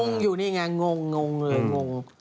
งอยู่นี่ไงงงเลยงง